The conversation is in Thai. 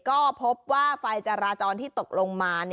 ก็พบว่าไฟจราจรที่ตกลงมา